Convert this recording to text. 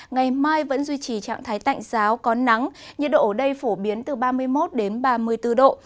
ngày mai vẫn duy trì trạng thái tạnh giáo có nắng nhiệt độ ở đây phổ biến từ ba mươi một đến ba mươi bốn độ